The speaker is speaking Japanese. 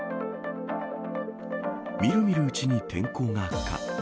みるみるうちに天候が悪化。